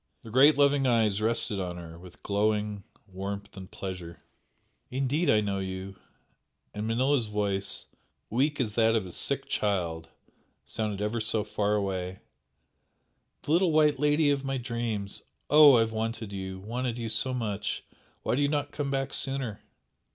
The great loving eyes rested on her with glowing warmth and pleasure. "Indeed I know you!" and Manella's voice, weak as that of a sick child, sounded ever so far away "The little white lady of my dreams! Oh, I have wanted you! wanted you so much! Why did you not come back sooner?"